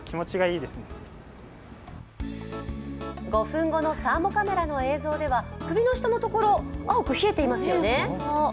５分後のサーモカメラの映像では首の下のところ、青く冷えていますよね。